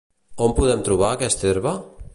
On podem trobar aquesta herba?